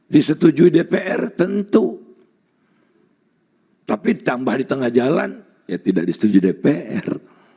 disetujui dpr tentu tapi ditambah di tengah jalan ya tidak disetujui dpr